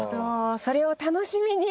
それを楽しみにまずは。